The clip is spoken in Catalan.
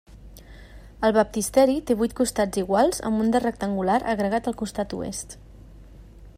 El baptisteri té vuit costats iguals amb un de rectangular agregat al costat oest.